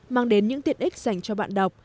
mang đến những tiện ích dành cho bạn đọc